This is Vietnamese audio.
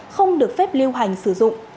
không được phép lưu hành sử dụng